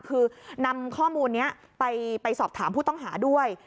คือนำข้อมูลนี้ไปสอบถามผู้ต้องหาด้วย